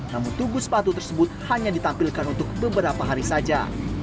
namun tugu sepatu tersebut hanya ditampilkan untuk beberapa hari saja